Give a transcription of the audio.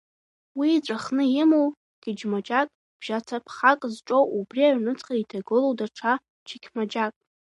Уи иҵәахны имоуп чықьмаџьак, бжь-цаԥхак зҿоу, убри аҩнуҵҟа иҭагылоуп даҽа чықьмаџьак.